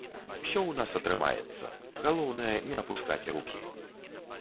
Усё у нас атрымаецца, галоўнае не апускаць рукі.